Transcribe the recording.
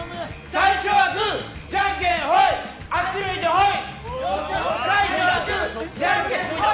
最初はグーじゃんけんホイあっち向いてホイ。